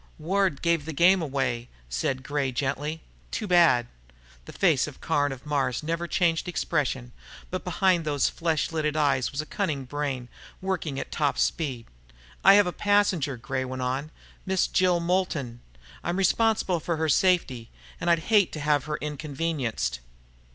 "Ward gave the game away," said Gray gently. "Too bad." The face of Caron of Mars never changed expression. But behind those flesh hooded eyes was a cunning brain, working at top speed. "I have a passenger," Gray went on. "Miss Jill Moulton. I'm responsible for her safety, and I'd hate to have her inconvenienced."